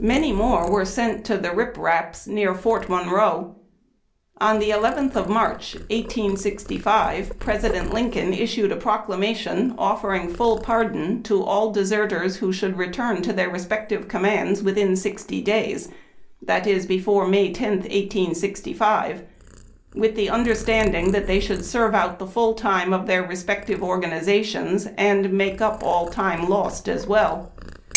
Man} more were sent to the Rip Raps, near Fort Monroe. On the 11th of March, 1865, President Lincoln issued a procla mation offering full pardon to all deserters who should re turn to their respective commands within sixty days, that is, before May 10, 1865, with the understanding that they should serve out the full time of their respective organiza tions, and make up all time lost as well.